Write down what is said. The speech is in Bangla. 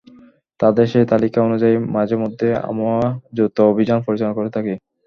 তাদের সেই তালিকা অনুযায়ী মাঝেমধ্যেই আমরা যৌথ অভিযান পরিচালনা করে থাকি।